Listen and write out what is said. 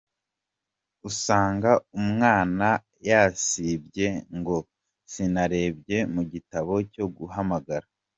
Ugasanga umwana yasibye, ngo sinarebye mu gitabo cyo guhamagara.